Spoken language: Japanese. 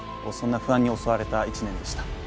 不安に襲われた１年でした。